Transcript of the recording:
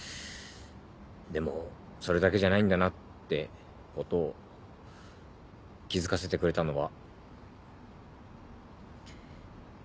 でもそれだけじゃないんだなってことを気付かせてくれたのは。